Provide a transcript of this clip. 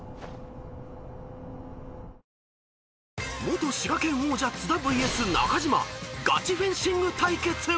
［元滋賀県王者津田ＶＳ中島ガチフェンシング対決！］